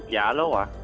dạ alo ạ